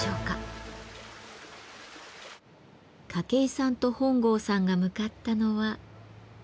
筧さんと本郷さんが向かったのは。